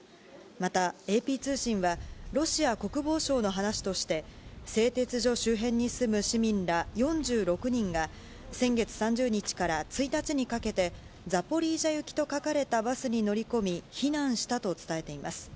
また、ＡＰ通信はロシア国防省の話として、製鉄所周辺に住む市民ら４６人が、先月３０日から１日にかけて、ザポリージャ行きと書かれたバスに乗り込み、避難したと伝えています。